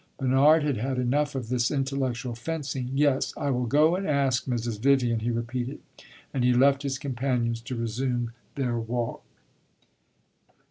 Bernard had had enough of this intellectual fencing. "Yes, I will go and ask Mrs. Vivian," he repeated. And he left his companions to resume their walk.